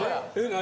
何？